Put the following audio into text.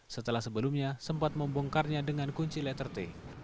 setelah sebelumnya sempat membongkarnya dengan kunci letter t